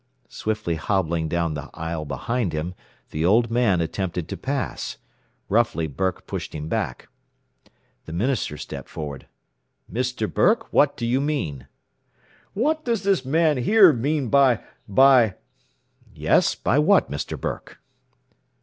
Swiftly hobbling down the aisle behind him, the old man attempted to pass. Roughly Burke pushed him back. The minister stepped forward. "Mr. Burke, what do you mean?" "What does this man here mean by by " "Yes, by what, Mr. Burke?"